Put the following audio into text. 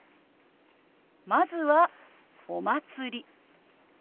まずは「お祭り」。